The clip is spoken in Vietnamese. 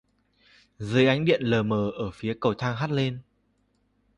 Dưới ánh điện lờ mờ ở phía cầu thang hắt lên